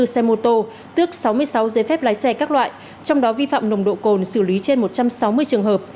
ba trăm chín mươi bốn xe mô tô tước sáu mươi sáu giới phép lái xe các loại trong đó vi phạm nồng độ cồn xử lý trên một trăm sáu mươi trường hợp